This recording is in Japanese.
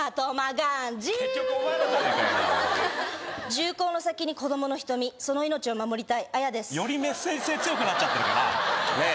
銃口の先に子どもの瞳その命を守りたいアヤですよりメッセージ性強くなっちゃってるからねえ